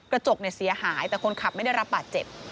กระจกเสียหายแต่คนขับไม่ได้รับบาดเจ็บ